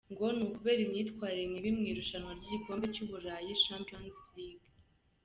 Ngo ni ukubera myitarire mibi mu irushanwa ry'igikombe cy'Uburayi, Champions League.